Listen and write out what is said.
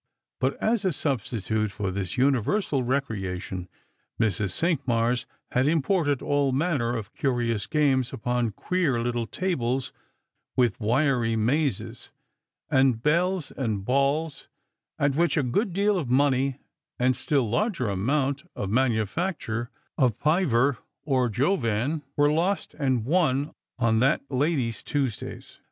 But as a substitute for this universal recreation, Mrs. Cinqmars had imported all manner of curious games upon queer little tables with wiry mazes, and bells and balls, at which a good deal of money and a still larger amount of the manufacture of Piver or Jou ^an were lost and won on that lady's Tuesdays.